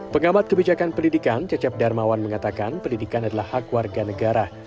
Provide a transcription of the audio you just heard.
pengamat kebijakan pendidikan cecep darmawan mengatakan pendidikan adalah hak warga negara